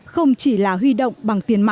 không chỉ là huy động bằng tiền mặt